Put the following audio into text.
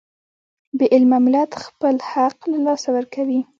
بې علمه ملت خپل حق له لاسه ورکوي.